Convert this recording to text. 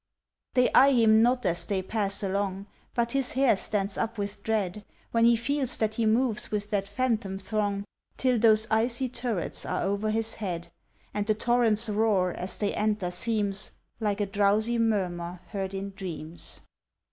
They eye him not as they pass along, But his hair stands up with dread, When he feels that he moves with that phantom throng, Till those icy turrets are over his head, And the torrent's roar as they enter seems Like a drowsy murmur heard in dreams.